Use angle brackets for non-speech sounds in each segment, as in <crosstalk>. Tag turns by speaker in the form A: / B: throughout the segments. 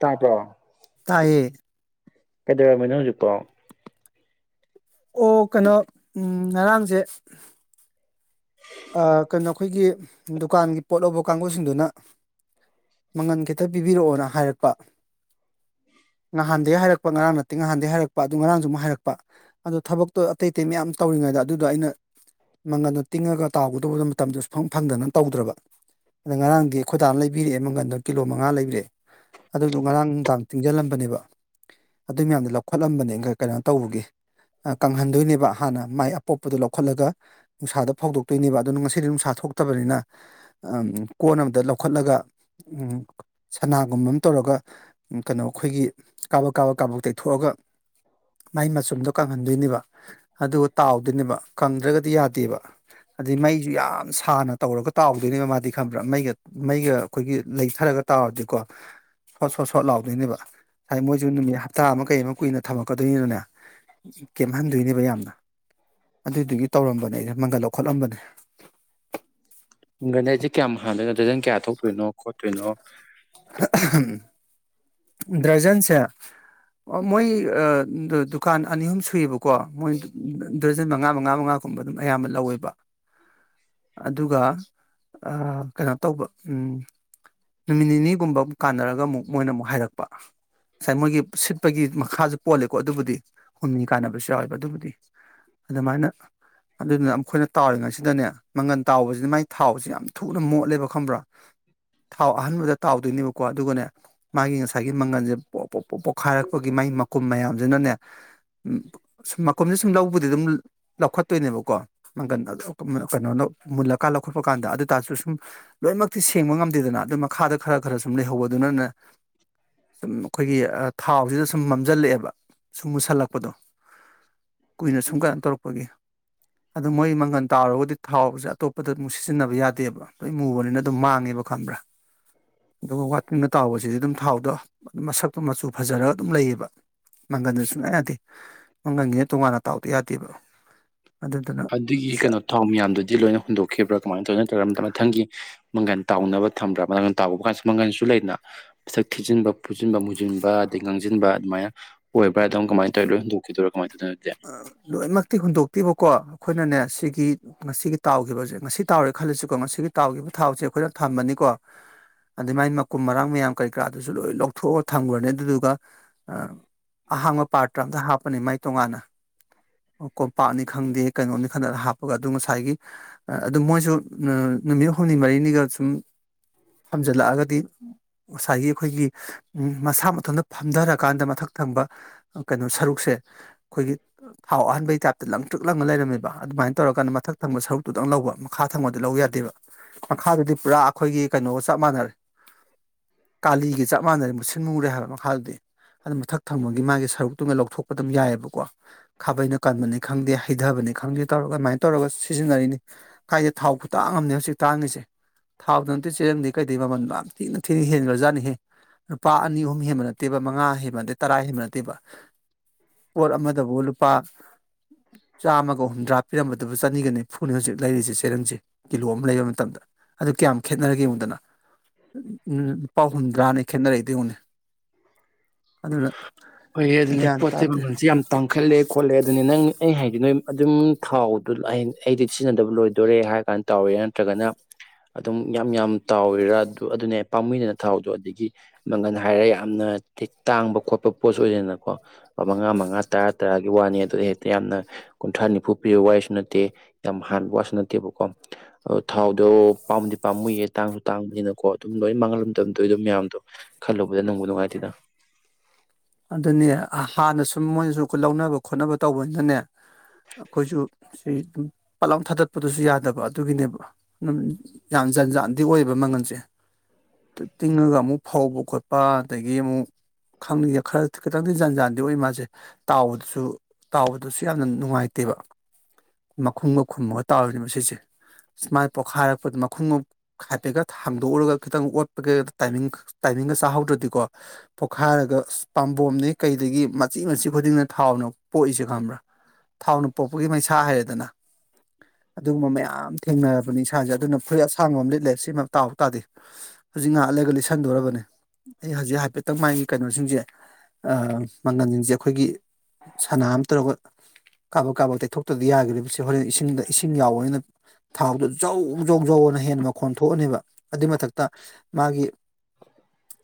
A: ꯇꯥꯕ꯭ꯔꯣ
B: ꯇꯥꯏꯌꯦ
A: ꯀꯩꯗꯧꯔꯝꯃꯤꯅꯣ ꯍꯧꯖꯤꯛꯇꯣ
B: ꯑꯣ ꯀꯥꯟꯅ ꯎꯝ ꯉꯔꯥꯡꯖꯦ ꯑꯥ ꯀꯅꯣ ꯑꯈꯣꯏꯒꯤ ꯗꯨꯀꯥꯟꯒꯤ ꯄꯣꯠ ꯂꯧꯕ ꯀꯥꯡꯒꯨꯁꯤꯡꯗꯨꯅ ꯃꯪꯒꯟ ꯈꯤꯇ ꯄꯤꯕꯤꯔꯛꯑꯣꯅ ꯍꯥꯏꯔꯛꯄ
A: <inaudible>
B: ꯉꯥꯍꯥꯟꯗꯩ ꯍꯥꯏꯔꯛꯄ ꯉꯔꯥꯡ ꯅꯠꯇꯦ ꯉꯥꯍꯥꯟꯗꯩ ꯍꯥꯏꯔꯛꯄ ꯑꯗꯨ ꯉꯔꯥꯡꯁꯨ ꯑꯃꯨꯛ ꯍꯥꯏꯔꯛꯄ ꯑꯗꯣ ꯊꯕꯛꯇꯣ ꯑꯇꯩ ꯑꯇꯩ ꯃꯌꯥꯝꯁꯨ ꯇꯧꯔꯤ ꯉ ꯑꯗꯨꯗꯣ ꯑꯩꯅ ꯃꯪꯒꯟꯗꯣ ꯇꯤꯡꯉꯒ ꯇꯥꯎꯒꯗꯣꯕ ꯃꯇꯝꯗꯣ ꯁꯨꯐꯪ ꯐꯪꯗꯅ ꯇꯧꯗ꯭ꯔꯕ ꯑꯗ ꯉꯔꯥꯡꯗꯤ ꯑꯈꯣꯏ ꯗꯥꯅ ꯂꯩꯕꯤꯔꯛꯑꯦ ꯃꯪꯒꯟꯗꯣ ꯀꯤꯂꯣ ꯃꯉꯥ ꯂꯩꯕꯤꯔꯛꯑꯦ ꯑꯗꯨꯗꯨ ꯉꯔꯥꯡ ꯅꯨꯡꯗꯥꯡ ꯇꯤꯡꯖꯜꯂꯝꯕꯅꯦꯕ ꯑꯗꯨꯏ ꯃꯌꯥꯝꯗꯣ ꯂꯧꯈꯠꯂꯝꯕꯅꯦ ꯒ ꯀꯅꯣ ꯇꯧꯔꯨꯒꯦ ꯑ ꯀꯪꯍꯟꯗꯣꯏꯅꯦꯕ ꯍꯥꯟꯅ ꯃꯥꯏ ꯑꯄꯣꯛꯄꯗꯣ ꯂꯧꯈꯠꯂꯒ ꯅꯨꯡꯁꯥꯗ ꯐꯧꯗꯣꯛ ꯇꯣꯏꯅꯦꯕ ꯑꯗꯨ ꯉꯁꯤꯗꯤ ꯅꯨꯡꯁꯥ ꯊꯣꯛꯇꯕꯅꯤꯅ ꯑꯝ ꯀꯣꯟ ꯑꯝꯇ ꯂꯧꯈꯠꯂꯒ ꯎꯝ ꯁꯅꯥꯒꯨꯝꯕꯝ ꯇꯧꯔꯒ ꯎꯝ ꯀꯅꯣ ꯑꯩꯈꯣꯏꯒꯤ ꯀꯥꯕꯛ ꯀꯥꯕꯛ ꯀꯥꯕꯛ ꯇꯩꯊꯣꯛꯑꯒ ꯃꯥꯏ ꯃꯆꯨꯝꯗꯣ ꯀꯪꯍꯟꯗꯣꯏꯅꯦꯕ ꯑꯗꯨꯒ ꯇꯥꯎꯗꯣꯏꯅꯦꯕ ꯀꯪꯗ꯭ꯔꯒꯗꯤ ꯌꯥꯗꯦꯕ ꯑꯗꯩ ꯃꯩꯖꯨ ꯌꯥꯝ ꯁꯥꯅ ꯇꯧꯔꯒ ꯇꯥꯎꯗꯣꯏꯅꯦꯕ ꯃꯥꯗꯤ ꯈꯪꯕ꯭ꯔ ꯃꯩꯒ ꯃꯩꯒ ꯑꯈꯣꯏꯒꯤ ꯂꯩꯊ ꯔꯒ ꯇꯥꯎꯔꯗꯤꯀꯣ ꯁꯣꯠ ꯁꯣꯠ ꯁꯣꯠ ꯂꯥꯎꯗꯣꯏꯅꯦꯕ <unintelligible> ꯃꯣꯏꯖꯨ ꯅꯨꯃꯤꯠ ꯍꯞꯇꯥ ꯑꯃ ꯀꯩ ꯑꯃ ꯀꯨꯏꯅ ꯊꯝꯃꯛꯀꯗꯣꯏꯅꯤꯅꯅꯦ ꯀꯦꯝꯍꯟꯗꯣꯏꯅꯦꯕ ꯌꯥꯝꯅ ꯑꯗꯨꯏꯗꯨꯒꯤ ꯇꯧꯔꯝꯕꯅꯦ ꯑꯩꯅ ꯃꯪꯒꯟ ꯂꯧ ꯈꯠꯂꯝꯕꯅꯦ
A: <unintelligible> ꯀꯌꯥꯝ ꯍꯥꯟꯗꯣꯏꯅꯣ ꯗꯔꯖꯟ ꯀꯌꯥ ꯊꯣꯛꯇꯣꯏꯅꯣ ꯈꯣꯠꯇꯣꯏꯅꯣ
B: <unintelligible> ꯗ꯭ꯔꯖꯟꯁꯦ ꯑꯣ ꯃꯣꯏ ꯑ ꯗꯨꯀꯥꯟ ꯑꯅꯤ ꯑꯍꯨꯝ ꯁꯨꯏꯕꯀꯣ ꯃꯣꯏ ꯗꯔꯖꯟ ꯃꯉꯥ ꯃꯉꯥ ꯃꯉꯥ <unintelligible> ꯑꯗꯨꯝ ꯑꯌꯥꯝꯕ ꯂꯧꯋꯦꯕ
A: <inaudible>
B: ꯑꯗꯨꯒ ꯑꯥ ꯀꯩꯅꯣ ꯇꯧꯕ ꯎꯝ ꯅꯨꯃꯤꯠ ꯅꯤꯅꯤꯒꯨꯝꯕ ꯑꯃꯨꯛ ꯀꯥꯟꯅꯔꯒ ꯑꯃꯨꯛ ꯃꯣꯏꯅ ꯑꯃꯨꯛ ꯍꯥꯏꯔꯛꯄ ꯉꯁꯥꯏ ꯃꯣꯏꯒꯤ ꯁꯤꯠꯄꯒꯤ ꯃꯈꯥꯖꯨ ꯄꯣꯜꯂꯦꯀꯣ ꯑꯗꯨꯕꯨꯗꯤ ꯍꯨꯝꯅꯤ ꯀꯥꯟꯅꯕꯁꯨ ꯌꯥꯎꯋꯦꯕ ꯑꯗꯨꯕꯨꯗꯤ ꯑꯗꯨꯃꯥꯏꯅ ꯑꯗꯨꯅ ꯑꯝꯈꯣꯏꯅ ꯇꯥꯎꯔꯤꯉꯩꯁꯤꯗꯅꯦ ꯃꯪꯒꯟ ꯇꯥꯎꯕꯖꯤꯅ ꯃꯥꯏ ꯊꯥꯎꯁꯤ ꯌꯥꯝ ꯊꯨꯅ ꯃꯣꯠꯂꯦꯕ ꯈꯪꯕ꯭ꯔ ꯊꯥꯎ ꯑꯍꯟꯕꯗ ꯇꯥꯎꯗꯣꯏꯅꯦꯕꯀꯣ ꯑꯗꯨꯒꯅꯦ ꯃꯥꯒꯤ ꯉ ꯉꯁꯥꯏꯒꯤ ꯃꯪꯒꯟꯖꯦ ꯄꯣ ꯄꯣꯛ ꯄꯣꯛ ꯄꯣꯛꯈꯥꯏꯔꯛꯄꯒꯤ ꯃꯥꯒꯤ ꯃꯀꯨꯨꯝ ꯃꯌꯥꯝꯖꯤꯅꯅꯦ ꯎꯝ ꯁꯨꯝ ꯃꯀꯨꯝꯁꯤ ꯁꯨꯝ ꯂꯧꯕꯗꯨꯗ <unintelligible> ꯂꯧꯈꯠꯇꯣꯏꯅꯦꯕꯀꯣ ꯃꯪꯒꯟ <unintelligible> ꯃꯨꯜꯂꯀꯥꯟ ꯂꯧꯈꯠꯄ ꯀꯥꯟꯗ ꯑꯗꯨ ꯇꯥꯔꯁꯨ ꯁꯨꯝ ꯂꯣꯏꯃꯛꯇꯤ ꯁꯦꯡꯕ ꯉꯝꯗꯦꯗꯅ ꯑꯗꯨ ꯃꯈꯥꯗ ꯈꯔ ꯈꯔ ꯁꯨꯝ ꯂꯩꯍꯧꯕ ꯑꯗꯨ ꯑꯗꯨꯅ ꯁꯨꯝ ꯑꯈꯣꯏꯒꯤ ꯑ ꯊꯥꯎꯖꯤꯗ ꯁꯨꯝ ꯃꯝꯖꯜꯂꯑꯦꯕ ꯁꯨꯝ ꯃꯨꯁꯜꯂꯛꯄꯗꯣ ꯀꯨꯏꯅ ꯁꯨꯝ ꯀꯩꯅꯣ ꯇꯧꯔꯛꯄꯒꯤ ꯑꯗꯨ ꯃꯣꯏ ꯃꯪꯒꯟ ꯇꯥꯎꯔꯒꯗꯤ ꯊꯥꯎꯖꯦ ꯑꯇꯣꯞꯄꯗ ꯑꯃꯨꯛ ꯁꯤꯖꯤꯟꯅꯕ ꯌꯥꯗꯦꯕ ꯂꯣꯏ ꯃꯨꯕꯅꯤꯅ ꯑꯗꯨꯝ ꯃꯥꯡꯉꯦ <unintelligible> ꯈꯪꯕ꯭ꯔ ꯑꯗꯨꯒ <unintelligible> ꯇꯥꯎꯕꯁꯤꯗꯤ ꯑꯗꯨꯝ ꯊꯥꯎꯗꫭ <unintelligible> ꯃꯁꯛꯇꯣ ꯃꯆꯨ ꯐꯖꯔꯒ ꯑꯗꯨꯝ ꯂꯩꯌꯦꯕ ꯃꯪꯒꯟꯗ ꯁꯨꯡꯌꯥ ꯌꯥꯗꯦ ꯃꯪꯒꯟꯒꯤꯅ ꯇꯣꯉꯥꯟꯅ ꯇꯥꯎꯗ ꯌꯥꯗꯦꯕ ꯑꯗꯨꯗꯨꯅ
A: ꯑꯗꯨꯒꯤ ꯀꯩꯅꯣ ꯊꯥꯎ ꯃꯌꯥꯝꯗꯨꯗꯤ ꯂꯣꯏꯅ ꯍꯨꯟꯗꯣꯛꯈꯤꯕ꯭ꯔ ꯀꯃꯥꯏꯅ ꯇꯧꯢ ꯅꯠꯇ꯭ꯔꯒꯅ ꯑꯝ ꯃꯊꯪꯒꯤ ꯃꯪꯒꯟ ꯇꯥꯎꯅꯕ ꯊꯝꯕ꯭ꯔ ꯃꯪꯒꯟ ꯇꯥꯎꯕ ꯀꯥꯟꯁꯨ ꯃꯪꯒꯟꯁꯨ ꯂꯩꯅ ꯃꯁꯛ ꯊꯤꯖꯤꯟꯕ ꯐꯨꯖꯤꯟ ꯃꯨꯖꯤꯟꯕ ꯑꯗꯒꯤ ꯉꯥꯡꯖꯤꯟꯕ ꯑꯗꯨꯃꯥꯏꯅ ꯑꯣꯏꯕ꯭ꯔ ꯑꯗꯨꯝ ꯀꯃꯥꯏ ꯇꯧꯢ ꯂꯣꯏ ꯍꯨꯟꯗꯣꯛꯈꯤꯗꫭꯏꯔꫭ
B: ꯑ ꯂꯣꯏꯃꯛꯇꯤ ꯍꯨꯟꯇꯣꯛ ꯇꯦꯕꯀꫭ ꯑꯈꯣꯏꯅꯅꯦ ꯁꯤꯒꯤ ꯉꯁꯤꯒꯤ ꯇꯥꯎꯒꯤꯕꯖꯦ ꯉꯁꯤ ꯇꯥꯎꯔꯦ ꯈꯜꯂꯁꯤꯀꯣ ꯉꯁꯤꯒꯤ ꯇꯥꯎꯒꯤꯕ ꯊꯥꯎꯁꯦ ꯈꯣꯏꯅ ꯊꯝꯃꯅꯤꯀꯣ ꯑꯗꯩ ꯃꯥꯏ ꯃꯀꯨꯝ ꯃꯔꯥꯡ ꯃꯌꯥꯝ ꯀꯔꯤ ꯀꯔꯥꯗꯨꯖꯨ ꯂꯣꯏ ꯂꯧꯊꯣꯑ ꯊꯝꯒ꯭ꯔꯅꯤ ꯑꯗꯨꯗꯨꯒ ꯑ ꯑꯍꯥꯡꯕ ꯄꯥꯇ꯭ꯔ ꯑꯝꯇ ꯍꯥꯞꯄꯨꯅꯦ ꯃꯥꯏ ꯇꯣꯉꯥꯟꯅ
A: <inaudible>
B: ꯀꯣꯝꯄꯥꯛꯅꯤ ꯈꯪꯗꯦ ꯀꯩꯅꯣꯅꯤ <unintelligible> ꯍꯥꯞꯄꯒ ꯑꯗꯨ ꯉꯁꯥꯏꯒꯤ ꯑꯗꯨ ꯃꯣꯏꯖꯨ ꯑ ꯅꯨ ꯃꯤꯠ ꯍꯨꯝꯅꯤ ꯃꯔꯤꯅꯤꯒꯥ ꯁꯨꯝ ꯐꯝꯖꯤꯜꯂꯛꯑꯒꯗꯤ ꯉꯁꯥꯏꯒꯤ ꯑꯈꯣꯏꯒꯤ ꯎꯝ ꯃꯁꯥ ꯃꯊꯣꯟꯗ ꯐꯝꯗꯔꯀꯥꯟꯗ ꯃꯊꯛ ꯊꯪꯕ ꯑ ꯀꯩꯅꯣ ꯁꯔꯨꯛꯁꯦ ꯑꯈꯣꯏꯒꯤ ꯊꯥꯎ ꯑꯍꯟꯕꯩ ꯇꯥꯏꯞꯇ ꯂꯪ ꯇ꯭ꯔꯤꯛ ꯂꯪꯉ ꯂꯩꯔꯝꯃꯦꯕ ꯑꯗꯨꯃꯥꯏꯅ ꯇꯧꯔꯀꯥꯟꯗ ꯃꯊꯛ ꯊꯪꯕ ꯁꯔꯨꯛꯇꯨꯗꯪ ꯂꯧꯕ ꯃꯈꯥ ꯊꯪꯕꯗꯤ ꯂꯧ ꯌꯥꯗꯦꯕ ꯃꯈꯥꯗꯨꯗꯤ ꯄꯨꯔꯥ ꯑꯈꯣꯏꯒꯤ ꯀꯩꯅꯣꯒ ꯆꯞ ꯃꯥꯟꯅꯔꯦ
A: <inaudible>
B: ꯇꯥꯜꯂꯤꯒꯤ ꯆꯞ ꯃꯥꯟꯅꯔꯦ ꯃꯨꯁꯤꯟ ꯃꯨꯔꯦ ꯍꯥꯏꯕ ꯃꯈꯥꯗꯨꯗꯤ ꯑꯗꯨ ꯃꯊꯛ ꯊꯪꯕꯒꯤ ꯃꯥꯒꯤ ꯁꯔꯨꯛꯇꯨꯃ ꯂꯧꯊꯣꯛꯄ ꯗꯨꯝ ꯌꯥꯏꯕ
A: <inaudible>
B: ꯈꯥꯕꯩꯅ ꯀꯟꯕꯅꯤ ꯈꯪꯗꯦ ꯍꯩꯗꯕꯅꯤ ꯈꯪꯗꯦ ꯇꯧꯔꯒ ꯑꯗꯨꯃꯥꯏꯅ ꯇꯧꯔꯒ ꯁꯤꯖꯤꯟꯅꯔꯤꯅꯤ ꯀꯥꯏꯗꯩ ꯊꯥꯎ ꯈꯨꯇꯥꯡ ꯑꯝꯅꯦ ꯍꯧꯖꯤꯛ ꯇꯥꯡꯉꯤꯁꯦ ꯊꯥꯎꯗ ꯅꯠꯇꯦ ꯆꯦꯔꯡꯗꯩ ꯀꯩꯗꯩ ꯃꯃꯜ <unintelligible> ꯌꯥꯝ ꯊꯤꯅ ꯊꯤꯅ ꯍꯦꯟꯈ꯭ꯔꯖꯥꯠꯅꯤꯍꯦ ꯂꯨꯄꯥ ꯑꯅꯤ ꯑꯍꯨꯝ ꯍꯦꯟꯕ ꯅꯠꯇꯦꯕ ꯃꯉꯥ ꯍꯦꯟꯕ ꯅꯠꯇꯦ ꯇꯔꯥ ꯍꯦꯟꯕ ꯅꯠꯇꯦꯕ ꯄꯣꯠ ꯑꯃꯗꯕꯨ ꯂꯨꯄꯥ ꯆꯥꯝꯃꯒ ꯍꯨꯝꯗ꯭ꯔꯥ ꯄꯤꯔꯝꯕꯗꯨ ꯆꯅꯤꯒ ꯅꯤꯝꯐꯨꯅꯦ ꯍꯨꯖꯤꯛ ꯂꯩꯔꯤꯖꯦ ꯆꯦꯔꯪꯖꯦ ꯀꯤꯂꯣ ꯑꯃ ꯂꯩꯕ ꯃꯇꯝꯗ ꯑꯗꯨ ꯀꯌꯥꯝ ꯈꯦꯠꯅꯔꯒꯦ ꯌꯦꯡꯉꯨꯗꯅ ꯎꯝ ꯂꯨꯄꯥ ꯍꯨꯝꯗ꯭ꯔꯥꯅꯦ ꯈꯦꯠꯅꯔꯛꯏꯗꯣ ꯌꯦꯡꯉꯣꯅꯦ
A: ꯍꯣꯏ ꯑꯗꯨꯅꯦ
B: ꯒ꯭ꯌꯥꯟ
A: ꯄꯣꯠ ꯆꯩꯩ
B: ꯇꯥꯗꯦ
A: ꯃꯃꯟꯁꯦ ꯌꯥꯝ ꯇꯥꯡꯈꯠꯂꯦ ꯈꯣꯠꯂꯦ ꯑꯗꯨꯅꯦ ꯅꯪ ꯑꯩ ꯍꯥꯏꯗꯤ ꯅꯣꯏ ꯑꯗꯨꯝ ꯊꯥꯎꯗꯣ ꯑꯩ ꯑꯩꯗꯤ ꯁꯤꯖꯤꯟꯅꯗꯕ ꯂꯣꯏꯗꯣꯔꯦ ꯍꯥꯏꯔ ꯀꯥꯟꯗ ꯇꯥꯎꯋꯦ ꯅꯠꯇ꯭ꯔꯒꯅ ꯑꯗꯨꯝ ꯌꯥꯝ ꯌꯥꯝ ꯇꯥꯎꯋꯤꯔꯥ ꯑꯗꯨꯅꯦ ꯄꯥꯝꯃꯨꯏꯗꯅ ꯊꯥꯎꯗꯣ ꯑꯗꯒꯤ ꯃꯪꯒꯟ ꯍꯥꯏꯔꯦ ꯌꯥꯝꯅ ꯇꯦꯛ ꯇꯥꯡꯕ ꯈꯣꯠꯄ ꯄꯣꯠꯁꯨ ꯑꯣꯏꯗꯦꯅꯀꯣ ꯄꯥ ꯃꯉꯥ ꯃꯉꯥ ꯇꯔꯥ ꯇꯔꯥꯒꯤ ꯋꯥꯅꯤ ꯑꯗꯨ ꯍꯦꯛꯇ ꯌꯥꯝꯅ ꯀꯨꯟꯊ꯭ꯔꯥ ꯅꯤꯝꯐꯨ ꯄꯤꯕ ꯋꯥꯔꯤꯁꯨ ꯅꯠꯇꯦ ꯌꯥꯝ ꯍꯥꯟꯕ ꯋꯥꯁꯨ ꯅꯠꯇꯦꯕꯀꯣ ꯑ ꯊꯥꯎꯗꯣ ꯄꯥꯝ ꯗꯤ ꯄꯥꯝꯃꯨꯌꯦ ꯇꯥꯡꯖꯨ ꯇꯥꯡꯕꯅꯤꯅꯀꯣ ꯑꯗꯨꯝ ꯂꯣꯏ ꯃꯥꯡꯍꯜꯂꯝꯗꯝꯗꯣꯏꯗꯣ ꯃꯌꯥꯝꯗꯣ ꯈꯜꯂꯨꯕꯗ ꯅꯨꯡꯕꯨ ꯅꯨꯡꯉꯥꯏꯇꯦꯗ
B: ꯑꯗꯨꯅꯦ ꯑ ꯍꯥꯟꯅ ꯁꯨꯝ ꯃꯣꯏꯅꯁꯨ ꯂꯧꯅꯕ ꯈꯣꯠꯅꯕ ꯇꯧꯕꯅꯤꯅꯅꯦ ꯑꯈꯣꯏꯖꯨ ꯁꯤ ꯎꯝ ꯄꯠꯂꯥꯎ ꯊꯗꯠꯄꯗꯨꯁꯨ ꯌꯥꯗꯕ ꯑꯗꯨꯒꯤꯅꯦꯕ ꯎꯝ ꯌꯥꯝ ꯖꯟꯖꯥꯟꯗꯤ ꯑꯣꯏꯌꯦꯕ ꯃꯪꯒꯟꯖꯦ ꯇꯤꯡꯉꯒ ꯑꯃꯨꯛ ꯐꯧꯕ ꯈꯣꯠꯄ ꯑꯗꯒꯤ ꯑꯃꯨꯛ ꯈꯪꯗꯦ ꯈꯔ ꯈꯤꯇꯪꯗꯤ ꯖꯟꯖꯥꯟꯗꯤ ꯑꯣꯢ ꯃꯥꯖꯦ ꯇꯥꯎꯕꯗꯁꯨ ꯇꯥꯎꯕꯗꯁꯨ ꯌꯥꯝꯅ ꯅꯨꯡꯉꯥꯏꯇꯦꯕ ꯃꯈꯨꯝꯒ ꯈꯨꯝꯃꯒ ꯇꯥꯎꯔꯤꯅꯦꯕ ꯁꯤꯁꯦ ꯁꯨꯃꯥꯏ ꯄꯣꯛꯈꯥꯏꯔꯛꯄꯗ ꯃꯈꯨꯝꯒ ꯍꯥꯏꯐꯦꯠꯀ ꯍꯥꯡꯗꯣꯛꯎꯔꯒ ꯈꯤꯇꯪ ꯑꯣꯠꯄꯒꯦ ꯇꯥꯏꯃꯤꯡ ꯇꯥꯢ ꯃꯤꯡꯒ ꯆꯥꯍꯧꯗ꯭ꯔꯗꯤꯀꯣ ꯄꯣꯛꯈꯥꯏꯔꯒ ꯑꯁ ꯄꯥꯝꯕꯣꯝꯅꯦ ꯀꯩꯗꯒꯤ ꯃꯆꯤ ꯃꯆꯤ ꯈꯨꯗꯤꯡꯅ ꯊꯥꯎꯅ ꯄꯣꯛꯏꯁꯦ ꯈꯪꯕ꯭ꯔꯥ ꯊꯥꯎꯅ ꯄꯣꯛꯄꯒꯤ ꯃꯩꯁꯥ ꯍꯥꯏꯔꯦꯗꯅ ꯑꯗꯨꯒꯨꯝꯕ ꯃꯌꯥꯝ ꯊꯦꯡꯅꯔꯕꯅꯤ ꯥꯢꯁꯥꯖꯦ ꯑꯗꯨꯅ ꯐꯨꯔꯤꯠ ꯑꯁꯥꯡꯕ ꯑꯝ ꯂꯤꯠꯂꯦ ꯁꯤꯃ ꯇꯥꯎ ꯇꯥꯗꯤ ꯍꯨꯖꯤꯛ ꯉꯍꯥꯛ ꯂꯩꯔꯒ ꯂꯤꯠꯁꯟꯗꯣꯔꯕꯅꯦ ꯑꯩ ꯍꯖꯤꯛ ꯍꯥꯏꯐꯦꯠꯇꯪ ꯃꯥꯥꯏ ꯃꯤꯠ ꯀꯩꯅꯣꯖꯤꯡꯖꯦ ꯑ ꯃꯪꯒꯟꯖꯤꯡꯖꯦ ꯑꯈꯣꯏꯒꯤ ꯁꯅꯥ ꯑꯝ ꯇꯧꯔꯒ ꯀꯥꯕꯛ ꯀꯥꯕꯛ ꯇꯩꯊꯣꯛꯇꯗꯤ ꯌꯥꯒꯤꯔꯣꯢꯕ ꯁꯦ ꯍꯣꯔꯦꯟ ꯏꯁꯤꯡꯗ ꯏꯁꯤꯡ ꯌꯥꯎꯕꯅꯤꯅ ꯊꯥꯎꯗꯣ ꯖꯧ ꯖꯧ ꯖꯧ ꯑꯅ ꯍꯦꯟꯅ ꯃꯈꯣꯟ ꯊꯣꯛꯑꯅꯤꯕ ꯑꯗꯨ ꯃꯊꯛꯇ ꯃꯥꯒꯤ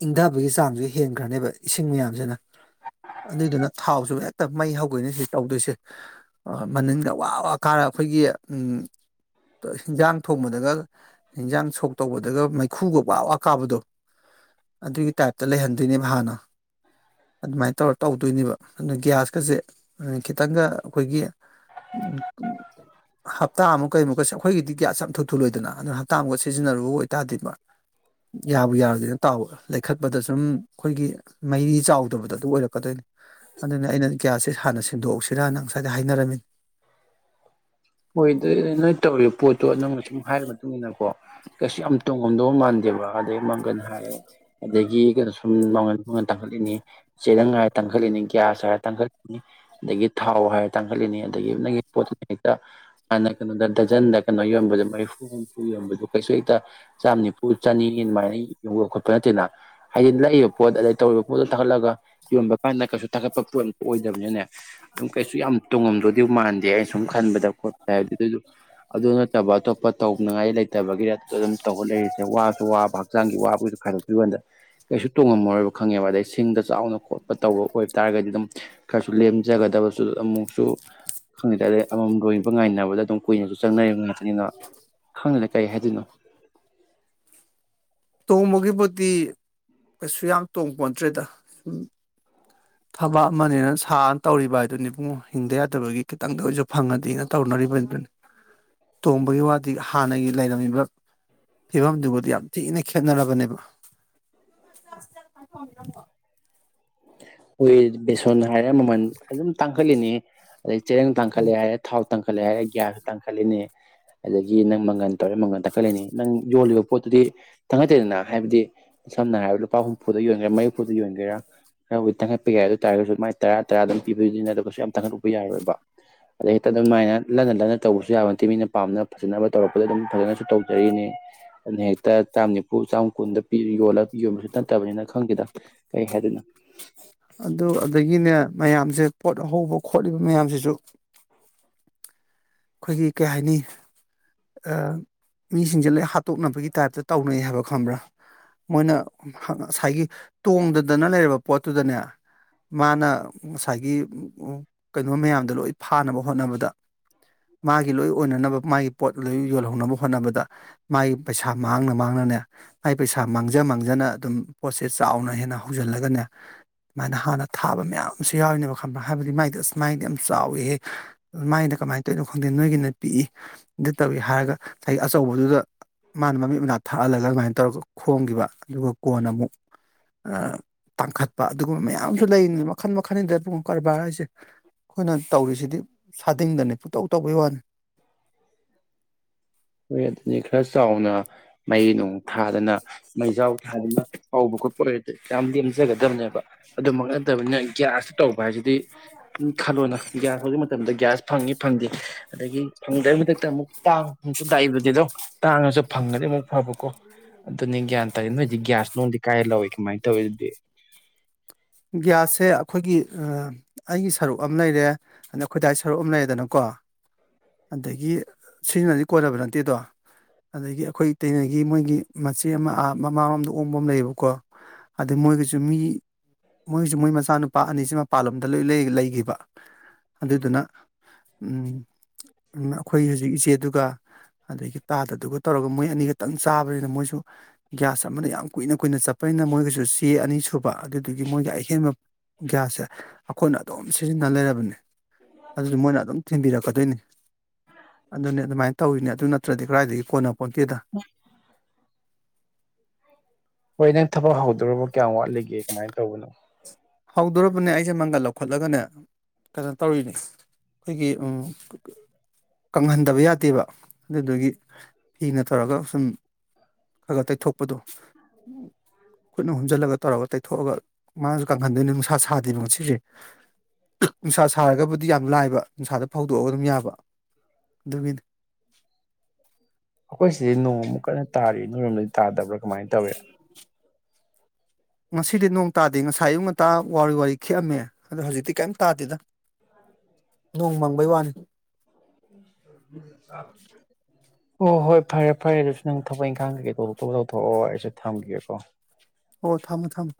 B: ꯏꯪꯗꯕꯒꯤ ꯆꯥꯡꯖꯨ ꯍꯦꯟꯈ꯭ꯔꯅꯤꯕ ꯏꯁꯤꯡ ꯃꯌꯥꯝꯖꯤꯅ ꯑꯗꯨꯗꯨꯅ ꯊꯥꯎꯁꯨ ꯍꯦꯛꯇ ꯃꯩ ꯍꯧꯒꯩꯅꯦ ꯁꯤ ꯇꯧꯗꯣꯏꯁꯦ ꯑ ꯃꯅꯤꯟꯒ ꯋꯥ ꯋꯥ ꯀꯥꯔ ꯑꯈꯣꯏꯒꯤ ꯎꯝ ꯍꯟꯖꯥꯡ ꯊꯣꯡꯕꯗꯒ ꯍꯟꯖꯥꯡ ꯁꯣꯛ ꯇꯧꯕꯗꯒ ꯃꯩꯈꯨꯒ ꯋꯥ ꯋꯥ ꯀꯥꯕꯗꯣ ꯑꯗꯨꯒꯤ ꯇꯥꯏꯞꯇ ꯂꯩꯍꯟꯗꯨꯏꯅꯦꯕ ꯍꯥꯟꯅ
A: <inaudible>
B: ꯑꯗꯨꯃꯥꯏ ꯇꯧꯔ ꯇꯧꯗꯨꯏꯅꯦꯕ ꯑꯗꯨꯅ ꯒ꯭ꯌꯥꯁꯀꯖꯦ ꯑ ꯈꯤꯇꯪꯒ ꯑꯈꯣꯏꯒꯤ <unintelligible> ꯍꯞꯇꯥ ꯑꯃꯨꯛ ꯀꯩꯃꯨꯛꯀꯁꯦ ꯑꯈꯣꯏꯒꯤꯗꯤ ꯒ꯭ꯌꯥꯁ ꯌꯥꯝ ꯊꯨ ꯊꯨ ꯂꯣꯏꯗꯅꯥ ꯑꯗꯨꯅ ꯍꯞꯇꯥ ꯑꯃꯨꯛꯀ ꯁꯤꯖꯤꯟꯅꯔꯨꯕ ꯑꯣꯏꯇꯥꯗꯤꯕ ꯌꯥꯕꯨ ꯌꯥꯔꯨꯗꯅ ꯇꯥꯎꯕ ꯂꯩꯈꯠꯄꯗ ꯁꯨꯝ ꯑꯈꯣꯏꯒꯤ ꯃꯩꯔꯤ ꯆꯥꯎꯗꯕꯗ ꯑꯗꯨ ꯑꯣꯏꯔꯛ ꯀꯗꯣꯏꯅꯦ ꯑꯗꯨꯅ ꯑꯩꯅ ꯒ꯭ꯌꯥꯁꯁꯦ ꯍꯥꯟꯅ ꯁꯤꯟꯗꯣꯛ ꯍꯧꯁꯤꯔꯅ ꯉꯁꯥꯏꯗꯩꯩ ꯍꯥꯏꯅꯔꯝꯃꯤ
A: <unintelligible> ꯃꯣꯏꯗꯩꯩ ꯅꯣꯏ ꯇꯧꯔꯤ ꯄꯣꯠꯇꯣ ꯅꯪꯅ ꯁꯨꯝ ꯍꯥꯏꯔ ꯃꯇꯨꯡ ꯏꯟꯅꯀꯣ ꯀꯩꯁꯨ ꯌꯥꯝ ꯇꯣꯡꯉꯝꯗꯧ ꯃꯥꯟ ꯗꯦꯕ ꯑꯗꯩꯩ ꯃꯡꯒꯟ ꯍꯥꯏꯔꯦ ꯑꯗꯒꯤ ꯀꯩꯅꯣ ꯁꯨꯝ ꯃꯡꯒꯟ ꯃꯡꯒꯟ ꯇꯥꯡꯈꯠꯂꯤꯅꯤ ꯆꯦꯔꯥꯡꯒꯥꯏ ꯇꯥꯡ ꯇꯥꯡꯈꯠꯂꯤꯅꯤ ꯒ꯭ꯌꯥꯁ ꯍꯥꯏꯔ ꯇꯥꯡꯈꯠꯂꯤꯅꯤ ꯑꯗꯒꯤ ꯊꯥꯎ ꯍꯥꯏꯔ ꯇꯥꯡꯈꯠꯂꯤꯅꯤ ꯑꯗꯒꯤ ꯅꯪꯒꯤ ꯄꯣꯠꯇꯨ <unintelligible> <unintelligible> ꯍꯥꯟꯅ ꯀꯩꯅꯣꯗ ꯗꯖꯟꯗ ꯀꯩꯅꯣ ꯌꯣꯟꯕꯗ ꯃꯔꯤꯐꯨ ꯍꯨꯝꯐꯨ ꯌꯧꯔꯝꯕꯗꯣ ꯀꯩꯁꯨ ꯇ ꯆꯥꯝ ꯅꯤꯐꯨ ꯆꯅꯤ <unintelligible> ꯗꯨꯃꯥꯏꯅ ꯌꯧꯕ ꯈꯣꯠꯄ ꯅꯠꯇꯦꯅꯥ ꯍꯥꯏꯗꯤ ꯂꯩꯔꯤꯕ ꯄꯣꯠ ꯑꯗꯩ ꯇꯧꯔꯤꯕ ꯄꯣꯠꯇꯣ ꯇꯥꯈꯠꯂꯒ ꯌꯣꯟꯕ ꯀꯥꯟꯗ ꯀꯩꯁꯨ ꯇꯥꯈꯠꯄ ꯄꯣꯠ ꯑꯣꯏꯗꯕꯅꯤꯅꯅꯦ ꯗꯨꯝ ꯀꯩꯁꯨ ꯌꯥꯝ ꯇꯣꯡꯉꯝꯗꯣꯏꯗꯤ ꯃꯥꯟꯗꯦ ꯑꯦꯁꯨꯝ ꯈꯟꯕꯗ ꯈꯣꯠꯄ ꯍꯥꯏꯕꯗꯤ ꯑꯗꯨ ꯑꯗꯨ ꯅꯠꯇꯕ ꯑꯇꯣꯞꯄ ꯇꯧꯅꯉꯥꯏ ꯂꯩꯇꯕꯒꯤꯔꯥ ꯑꯗꯨꯗ ꯑꯗꯨꯝ ꯇꯧ ꯂꯩꯔ ꯁꯦ ꯋꯥꯁꯨ ꯋꯥꯕ ꯍꯛꯆꯥꯡꯒꯤ ꯋꯥꯕꯨꯁꯨ ꯈꯥꯏꯗꯣꯛ <unintelligible> ꯕ ꯀꯥꯟꯗ ꯀꯩꯁꯨ ꯇꯣꯡꯉꯝꯃꯣꯏꯕꯥ ꯈꯪꯉꯦꯕ ꯑꯗꯩ ꯁꯤꯡꯗ ꯆꯥꯎꯅ ꯈꯣꯠꯄ ꯇꯧꯕ ꯑꯣꯏꯕ ꯇꯥꯔꯒꯗꯤ ꯑꯗꯨꯝ ꯈꯔꯁꯨ ꯂꯦꯝꯖꯒꯗ <unintelligible> ꯁꯨ ꯑꯃꯨꯛꯁꯨ ꯈꯪꯗꯦ <unintelligible> ꯑꯃ ꯃꯝ ꯔꯣꯏꯕ ꯉꯥꯏꯅꯕꯗ ꯑꯗꯨꯝ ꯀꯨꯏꯅꯁꯨ ꯆꯪꯅꯩ <unintelligible> ꯉꯥꯛꯇꯅꯤꯅ ꯈꯪꯗꯦꯗ ꯀꯔꯤ ꯍꯥꯏꯗꯣꯏꯅꯣ <unintelligible>
B: ꯇꯣꯡꯕꯒꯤꯕꯨꯗꯤ ꯀꯩꯁꯨ ꯌꯥꯝ ꯇꯣꯡꯄꯣꯟ ꯇꯔꯦꯗꯥ ꯎꯝ ꯊꯕꯛ ꯑꯃꯅꯦꯅ ꯁꯥꯟ ꯇꯧꯔꯤꯕ ꯍꯥꯏꯕꯗꯨꯅꯤ ꯕꯨꯡꯉꯣ ꯍꯤꯡꯗ ꯌꯥꯗꯕꯒꯤ ꯈꯤꯇꯪꯗ ꯑꯣꯏꯖꯨ ꯐꯪꯉꯗꯤꯅ ꯇꯧꯅꯔꯤ <unintelligible> ꯇꯣꯡꯕꯒꯤ ꯋꯥꯗꯤ ꯍꯥꯟꯅꯒꯤ ꯂꯩꯔꯝꯃꯤꯕ ꯐꯤꯕꯝꯗꯨꯕꯨꯗꯤ ꯌꯥꯝ ꯊꯤꯅ ꯈꯦꯠꯅꯔꯕꯅꯦꯕꯥ <unintelligible>
A: ꯑꯣꯏꯌꯦꯗꯤ ꯕꯦꯁꯣꯟ ꯍꯥꯏꯔꯦ ꯃꯃꯟ ꯑꯗꯨꯝ ꯇꯥꯡꯈꯠꯂꯤꯅꯤ ꯑꯗꯩ ꯆꯦꯔꯪ ꯇꯥꯡꯈꯠꯂꯦ ꯍꯥꯏꯔꯦ ꯊꯥꯎ ꯇꯥꯡꯈꯠꯂꯦ ꯍꯥꯏꯔꯦ ꯒ꯭ꯌꯥꯁ ꯇꯥꯡꯈꯠꯂꯤꯅꯤ ꯑꯗꯒꯤ ꯅꯪ ꯃꯪꯒꯟ ꯇꯧꯔꯦ ꯃꯪꯒꯟ ꯇꯥꯡꯈꯠꯂꯤꯅꯤ ꯅꯪ ꯌꯣꯜꯂꯤꯕ ꯄꯣꯠꯇꯨ ꯗꯤ ꯇꯥꯡꯈꯠ ꯇꯦꯗꯅ ꯍꯥꯏꯕꯗꯤ ꯁꯝꯅ ꯍꯥꯏꯔꯕꯗ ꯂꯨꯄꯥ ꯍꯨꯝꯐꯨꯗ ꯌꯣꯟꯒꯦꯔꯥ ꯃꯔꯐꯨꯗ ꯌꯣꯟꯒꯦꯔꯥ ꯈꯔꯕꯨꯗꯤ ꯊꯥꯡꯒꯠꯄ ꯌꯥꯏ ꯑꯗꯨ ꯇꯥꯔꯒꯁꯨ ꯃꯥꯏ ꯇꯔꯥ ꯇꯔꯥ ꯑꯗꯨꯝ ꯄꯤꯕꯅꯤꯅ ꯑꯗꯨꯒꯁꯨ ꯌꯥꯝ ꯊꯥꯡꯒꯠꯂꯨꯕ ꯌꯥꯔꯣꯏꯕꯥ ꯑꯗꯩ <unintelligible> ꯗꯨꯃꯥꯏꯅ ꯂꯟꯅ ꯂꯟꯅ ꯇꯧꯕꯁꯨ ꯌꯥꯕ ꯅꯠꯇꯦ ꯃꯤꯅ ꯄꯥꯝꯅ ꯐꯖꯅꯕ ꯇꯧꯔꯛꯄꯗ ꯑꯗꯨꯝ ꯐꯖꯅꯁꯨ ꯇꯧꯖꯔꯤꯅꯤ ꯑꯗꯨꯅꯦ ꯍꯦꯛꯇ ꯆꯥꯝ ꯅꯤꯐꯨ ꯆꯥꯝ ꯀꯨꯟꯗ ꯄꯤꯔꯤ ꯌꯣꯜꯂ ꯌꯣꯟ <unintelligible> ꯁꯨ ꯅꯠꯇꯕꯅꯤꯅ ꯈꯪꯗꯦꯗ ꯀꯩ ꯍꯥꯏꯗꯣꯢꯅꯣ
B: ꯑꯗꯨ ꯑꯗꯒꯤꯅꯦ ꯃꯌꯥꯝꯁꯦ ꯄꯣꯠ ꯍꯧꯕ ꯈꯣꯠꯂꯤꯕ ꯃꯌꯥꯝꯁꯤꯁꯨ ꯈꯣꯏꯒꯤ ꯀꯩ ꯍꯥꯏꯅꯤ ꯑꯥ ꯃꯤꯁꯤꯡꯁꯦ ꯂꯣꯢ ꯍꯥꯠꯇꯣꯛꯅꯕꯒꯤ ꯇꯥꯏꯞꯇ ꯇꯧꯅꯩ ꯍꯥꯏꯕ ꯈꯪꯕ꯭ꯔꯥ ꯃꯣꯏꯅ ꯍ ꯑ ꯉꯁꯥꯏꯒꯤ ꯇꯣꯡꯗꯗꯅ ꯂꯩꯔꯕ ꯄꯣꯠꯇꯨꯗꯅꯦ ꯃꯥꯅ ꯉꯁꯥꯏꯒꯤ ꯎꯝ ꯎꯝ ꯀꯩꯅꯣ ꯃꯌꯥꯝꯗꯣ ꯂꯣꯏ ꯐꯥꯅꯕ ꯍꯣꯠꯅꯕꯗ ꯃꯥꯒꯤ ꯂꯣꯏ ꯑꯣꯏꯅꯅꯕ ꯃꯥꯒꯤ ꯄꯣꯠ ꯂꯣꯏ ꯌꯣꯜꯍꯧꯅꯕ ꯍꯣꯠꯅꯕꯗ ꯃꯥꯏ ꯄꯩꯁꯥ ꯃꯥꯡꯅ ꯃꯥꯡꯅꯅꯦ ꯃꯥꯏ ꯄꯩꯁꯥ ꯃꯥꯡꯖ ꯃꯥꯡꯖꯅ ꯑꯗꯨꯝ ꯄꯣꯠꯁꯦ ꯆꯥꯎꯅ ꯍꯦꯟꯅ ꯍꯧꯖ ꯂꯒꯅꯦ ꯃꯥꯅ ꯍꯥꯟꯅ ꯊꯥꯕ ꯃꯌꯥꯝꯁꯦ ꯌꯥꯎꯏꯅꯦꯕ ꯈꯪꯕ꯭ꯔꯥ ꯍꯥꯏꯕꯗꯤ ꯃꯥꯏꯗꯣ ꯑꯁ ꯃꯥꯏꯗꯤ ꯌꯥꯝ ꯆꯥꯎꯋꯤꯍꯦ ꯃꯥꯏꯗꯤ ꯀꯃꯥꯏ ꯈꯪꯗꯦ ꯅꯣꯏꯒꯤꯅ ꯄꯤꯛꯏ ꯑꯗꯨ ꯇꯧꯏ ꯍꯥꯏꯔꯒ ꯉꯁꯥꯏꯒꯤ ꯑꯆꯧꯕꯗꯨꯗ ꯑ ꯃꯥꯅ ꯃꯃꯤꯠ ꯃꯅꯥ ꯊꯛꯍꯜꯂꯂꯕ ꯍꯥꯏꯅ ꯇꯧꯔꯒ ꯈꯣꯡꯒꯤꯕ ꯗꯨꯒ ꯀꯣꯟꯅ ꯑꯃꯨꯛ ꯑ ꯇꯥꯡꯈꯠꯄ ꯑꯗꯨꯒꯨꯝꯕ ꯃꯌꯥꯝꯁꯨ ꯂꯩ ꯃꯈꯟ ꯃꯈꯟꯅꯤꯗ <unintelligible> ꯕꯨ ꯀꯔꯕꯥꯔ ꯍꯥꯏꯁꯦ ꯈꯣꯏꯅ ꯇꯧꯔꯤꯁꯤꯗꯤ ꯁꯥꯗꯤꯡꯗꯅꯦ ꯄꯨꯇꯧ ꯇꯧꯕꯩ ꯋꯥꯅꯦ
A: <unintelligible> ꯍꯣꯏ ꯑꯗꯨꯅꯤ ꯈꯔ ꯆꯥꯎꯅ ꯃꯩ ꯅꯨꯡ ꯊꯥꯗꯅ ꯃꯩꯖꯥꯎ ꯊꯥꯗꯅ ꯍꯧꯕ ꯈꯣꯠꯄ ꯍꯣꯏ ꯇ ꯌꯥꯝ ꯂꯦꯝꯖꯒꯗꯝꯅꯦꯕꯥ ꯑꯗꯨꯃꯛ ꯅꯠꯇꯕꯅꯤꯅ ꯒꯌꯥꯁꯇ ꯇꯧ <unintelligible> ꯒ꯭ꯌꯥꯁ ꯍꯨꯖꯤꯛ ꯃꯇꯝꯗ ꯒ꯭ꯌꯥꯁ ꯐꯪꯏ ꯐꯪꯗꯦ ꯑꯗꯒꯤ ꯐꯪꯗꯩ ꯃꯊꯛꯇ ꯑꯃꯨꯛ ꯇꯥꯡ ꯑꯝꯁꯨ ꯇꯥꯛꯏꯕꯗꯤꯗꯣ ꯇꯥꯡꯉꯁꯨ ꯐꯪꯉꯗꯤ ꯑꯃꯨꯛ ꯐꯕꯀꯣ ꯑꯗꯨꯅꯦ ꯒ꯭ꯌꯥꯟ ꯇꯥꯏ ꯅꯣꯏꯗꯤ ꯒ꯭ꯌꯥꯁ ꯅꯨꯡꯗꯤ ꯀꯥꯏ ꯂꯧꯋꯤ ꯃꯥꯏ ꯇꯧꯋꯦꯗꯤ
B: ꯒ꯭ꯌꯥꯁꯁꯦ ꯑꯈꯣꯏꯒꯤ ꯑ ꯑꯩꯒꯤ ꯁꯔꯨꯛ ꯑꯝ ꯂꯩꯔꯦ ꯑꯗ ꯑꯈꯣꯏ ꯗꯥꯏ ꯁꯔꯨꯛ ꯑꯃ ꯂꯩꯔꯦꯗꯅꯀꯣ ꯑꯥ ꯑꯗꯒꯤ ꯁꯤꯅꯗꯤ ꯀꯣꯟꯅꯕ ꯅꯠꯇꯦꯗꯣ ꯑꯗꯒꯤ ꯑꯈꯣꯏ ꯏꯇꯩꯝꯒꯤ ꯃꯣꯏꯒꯤ ꯃꯆꯦ ꯑꯃ ꯑꯥ ꯃꯃꯥꯡꯂꯣꯝꯗ ꯑꯣꯡꯕ ꯑꯃ ꯂꯩꯌꯦꯕꯀꯣ ꯑꯗꯩꯩ ꯃꯣꯏꯒꯤꯁꯨ ꯃꯤ ꯃꯣꯏꯁꯨ ꯃꯣꯏ ꯃꯆꯥꯅꯨꯄꯥ ꯑꯅꯤꯁꯨ ꯃꯄꯥꯥꯟꯂꯝꯗ ꯂꯣꯏ ꯂꯩ ꯂꯩꯒꯤꯕ ꯑꯗꯨꯗꯨꯅ ꯎꯝ ꯎꯝ ꯑꯈꯣꯏ ꯍꯧꯖꯤꯛ ꯏꯆꯦꯗꯨꯒ ꯑꯗꯒꯤ ꯇꯥꯗꯗꯨꯒ ꯇꯧꯔꯒ ꯃꯣꯏ ꯑꯅꯤꯈꯇꯪ ꯆꯥꯕꯅꯤꯅ ꯃꯣꯏꯁꯨ ꯒ꯭ꯌꯥꯁ ꯑꯃꯅ ꯌꯥꯝ ꯀꯨꯏꯅ ꯀꯨꯏꯅ ꯆꯠꯄꯩ ꯅ ꯃꯣꯏꯒꯤꯁꯨ ꯆꯦ ꯑꯅꯤ ꯁꯨꯕ ꯑꯗꯨꯗꯨꯒꯤ ꯒꯤ ꯃꯣꯏꯒꯤ ꯑꯍꯦꯟꯕ ꯒ꯭ꯌꯥꯁꯁꯦ ꯑꯩꯈꯣꯏꯅ ꯑꯗꯨꯝ ꯁꯤꯖꯤꯟꯅ ꯂꯩꯔꯕꯅꯦ ꯑꯗꯨꯁꯨ ꯃꯣꯏꯅ ꯑꯗꯨꯝ ꯊꯤꯟꯕꯤꯔꯛꯀꯗꯣꯏꯅꯤ ꯑꯗꯨꯅꯦ ꯑꯗꯨꯃꯥꯏ ꯇꯧꯔꯤꯅꯦ ꯑꯗꯨ ꯅꯠꯇ꯭ꯔꯗꯤ ꯀꯗꯥꯏꯗꯒꯤ ꯀꯣꯟꯅ ꯄꯣꯟꯇꯦꯗ
A: ꯍꯣꯏ ꯅꯪ ꯊꯕꯛ ꯍꯧꯗꯣꯔꯕ ꯀꯌꯥꯝ ꯋꯥꯠꯂꯤꯒꯦ ꯀꯃꯥꯏ ꯇꯧꯕꯅꯣ
B: ꯍꯧꯗꯣꯔꯕꯅꯦ ꯑꯩꯁꯦ ꯃꯪꯒꯜ ꯂꯧꯈꯠꯂꯒꯅꯦ ꯀꯅꯣ ꯇꯧꯔꯤꯅꯦ ꯑꯩꯈꯣꯏꯒꯤ ꯑ ꯀꯨ ꯀꯨ ꯀꯪꯍꯟꯗꯕ ꯌꯥꯗꯦꯕ ꯑꯗꯨꯗꯨꯒꯤ ꯐꯤꯅ ꯇꯧꯔꯒ ꯁꯨꯝ ꯈꯔ ꯈ ꯇꯩꯊꯣꯛꯄꯗꯣ ꯎ ꯈꯨꯠꯅ ꯍꯨꯝꯖꯜꯂꯒ ꯇꯧꯔꯒ ꯇꯩꯊꯣꯛꯑꯒ ꯃꯥꯖ ꯀꯪꯍꯟꯗꯣꯏꯅꯦ ꯅꯨꯡꯁꯥ ꯁꯥꯗꯦꯕ ꯉꯁꯤꯁꯦ ꯅꯨꯡꯁꯥ ꯁꯥꯔꯒꯕꯨꯗꯤ ꯌꯥꯝ ꯂꯥꯏꯕ ꯅꯨꯡꯁꯥꯗ ꯐꯧꯗꯣꯛꯑꯒ ꯗꯨꯝ ꯌꯥꯕ ꯗꯨꯒꯤꯅꯦ
A: <inaudible> ꯑꯈꯣꯏꯁꯤ ꯅꯣꯡꯃꯨꯛ ꯀꯟꯅ ꯇꯥꯔꯤ ꯅꯣꯏꯔꯣꯝꯗꯗꯤ ꯇꯥꯗꯕ꯭ꯔꯣ ꯀꯃꯥꯏ ꯇꯧꯏ
B: ꯉꯁꯤꯗꯤ ꯅꯣꯡ ꯇꯥꯗꯦ ꯉꯁꯥꯏ ꯑꯌꯨꯛ ꯉꯟꯇꯥ ꯋꯥꯎꯔꯤ ꯋꯥꯎꯔꯤ ꯈꯤꯛꯑꯝꯃꯦ ꯑꯗꯣ ꯍꯧꯖꯤꯛꯇꯤ ꯀꯩꯝ ꯇꯥꯗꯦꯗ
A: <inaudible>
B: ꯅꯣꯡ ꯃꯪꯕꯩ ꯋꯥꯅꯤ
A: <inaudible> ꯑꯣ ꯍꯣꯏ ꯐꯔꯦ ꯐꯔꯦ ꯕ꯭ꯁ ꯅꯪ ꯊꯕꯛ ꯏꯪꯈꯥꯡ ꯀꯀꯩ ꯇꯧꯕꯗꯣ ꯇꯧꯊꯣꯛꯑꯣ ꯑꯩꯁꯨ ꯊꯝꯒꯦꯀꯣ
B: ꯑꯣ ꯊꯝꯃꯣ ꯊꯝꯃꯣ